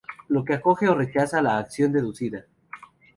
La que acoge o rechaza la acción deducida.